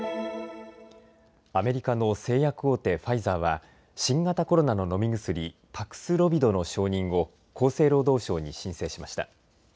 アメリカの製薬大手、ファイザーは新型コロナの飲み薬、パクスロビドの承認を厚生労働省に申請しました。